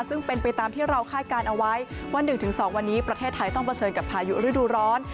ซึ่งเป็นไปตามที่เราคาดการณ์เอาไว้ว่า๑๒วันนี้ประเทศไทยต้องเผชิญกับพายุฤดูร้อน